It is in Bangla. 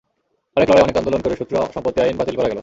অনেক লড়াই, অনেক আন্দোলন করে শত্রু সম্পত্তি আইন বাতিল করা গেল।